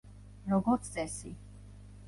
როგორც წესი.